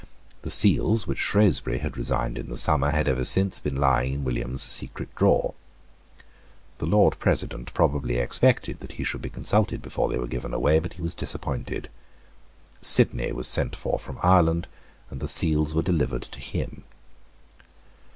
The seals which Shrewsbury had resigned in the summer had ever since been lying in William's secret drawer. The Lord President probably expected that he should be consulted before they were given away; but he was disappointed. Sidney was sent for from Ireland; and the seals were delivered to him.